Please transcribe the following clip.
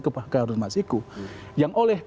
kebakaran harun masiku yang oleh